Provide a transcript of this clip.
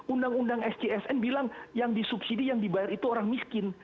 undang undang sjsn bilang yang disubsidi yang dibayar itu orang miskin